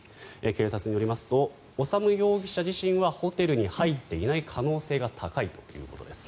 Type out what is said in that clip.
警察によりますと修容疑者自身はホテルに入っていない可能性が高いということです。